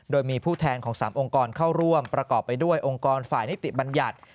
โดยมีผู้แทนของ๓องค์กรเข้าร่วมประกอบไปด้วยองค์กรฝ่ายนิติบัญญัติ